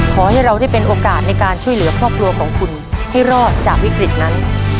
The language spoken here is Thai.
ขอให้เราได้เป็นโอกาสในการช่วยเหลือครอบครัวของคุณให้รอดจากวิกฤตนั้น